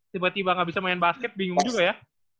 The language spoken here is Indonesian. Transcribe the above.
tiba tiba gak bisa main basket bingung juga ya